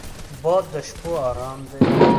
باد د شپو ارام دی